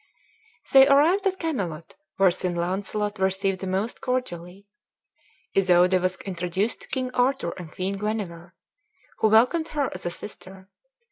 They arrived at Camelot, where Sir Launcelot received them most cordially. Isoude was introduced to King Arthur and Queen Guenever, who welcomed her as a sister.